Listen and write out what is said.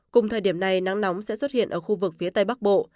cùng thời điểm này nắng nóng sẽ xuất hiện ở khu vực phía tây bắc bộ